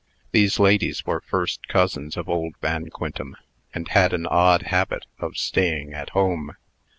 These ladies were first cousins of old Van Quintem, and had an odd habit of staying at home.